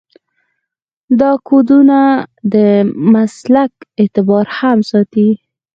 دا کودونه د مسلک اعتبار هم ساتي.